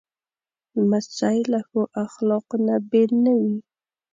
لمسی له ښو اخلاقو نه بېل نه وي.